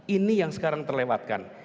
ini yang sekarang terlewatkan